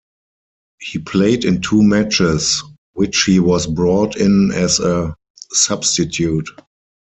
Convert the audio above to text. He played in two matches, which he was brought in as a substitute.